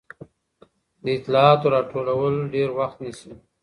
د اطلاعاتو راټولول ډېر وخت نیسي.